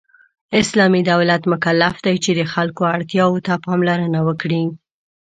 اسلامی دولت مکلف دی چې د خلکو اړتیاوو ته پاملرنه وکړي .